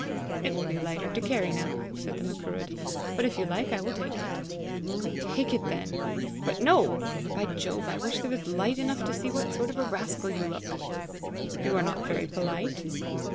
"It will be lighter to carry now!" said the Macruadh; "but if you like I will take it." "Take it, then. But no! By Jove, I wish there was light enough to see what sort of a rascal you look!" "You are not very polite!"